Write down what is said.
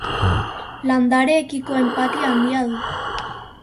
Landareekiko enpatia handia du.